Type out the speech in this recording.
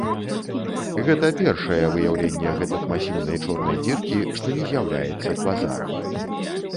Гэта першае выяўленне гэтак масіўнай чорнай дзіркі, што не з'яўляецца квазарам.